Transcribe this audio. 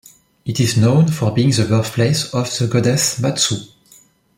It is known for being the birthplace of the goddess Matsu.